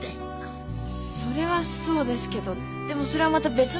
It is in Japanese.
それはそうですけどでもそれはまた別の話で。